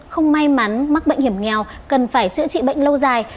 không may mắn mắc bệnh hiểm nghèo cần phải chữa trị bệnh lâu dài